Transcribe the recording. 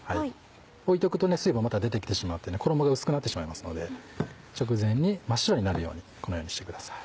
置いておくと水分がまた出てきてしまって衣が薄くなってしまいますので直前に真っ白になるようにこのようにしてください。